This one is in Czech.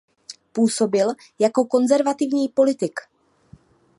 Působil jako konzervativní politik.